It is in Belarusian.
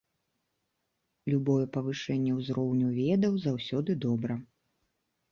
Любое павышэнне ўзроўню ведаў заўсёды добра.